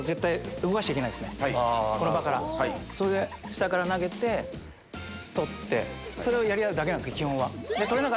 下から投げて捕ってそれをやり合うだけです基本は。